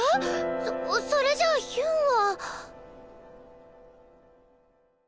そそれじゃヒュンは。